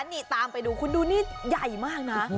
นี่ตามไปดูคุณดูนี่ใหญ่มากนะ